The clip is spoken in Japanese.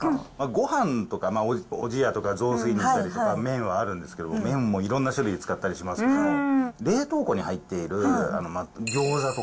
ごはんとかおじやとか雑炊にしたり、麺はあるんですけど、麺もいろんな種類使ったりしますけど、冷凍庫に入っている餃子と